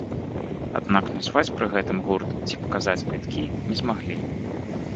Аднак назваць пры гэтым гурт ці паказаць квіткі, не змаглі.